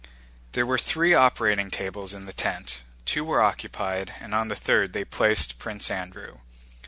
There were three operating tables in the tent. Two were occupied, and on the third they placed Prince Andrew.